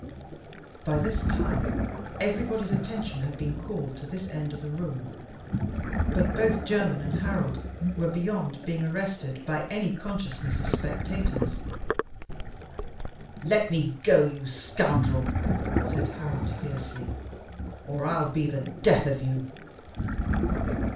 By this time everybody's attention had been called to this end of the room, but both Jermyn and Harold were beyond being arrested by any consciousness of spectators. "Let me go, you scoundrel!" said Harold, fiercely, "or I'll be the death of you."